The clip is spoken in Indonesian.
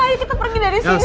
ayo kita pergi dari sini